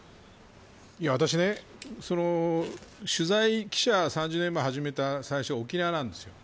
私は取材記者３０年前に始めたのは最初、沖縄です。